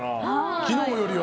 昨日よりは。